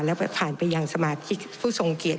และผ่านบริยางศมารยาทิศสงเกต